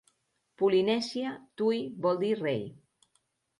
Polinèsia Tu'i vol dir rei.